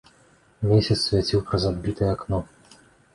Месяц свяціў праз адбітае акно.